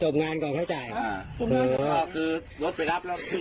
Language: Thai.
ทำงานให้ดีปะละ